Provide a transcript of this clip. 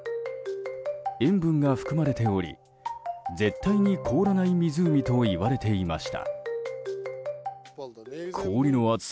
塩分が含まれており絶対に凍らない湖といわれていました。